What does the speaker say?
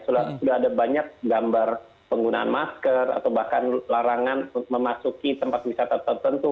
sudah ada banyak gambar penggunaan masker atau bahkan larangan memasuki tempat wisata tertentu